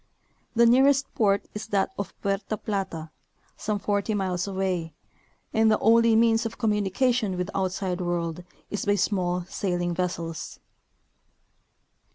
The nearest port is that of Puerta Plata, some forty iniles away, and the only means of communication with the outside world is by small sailing vessels.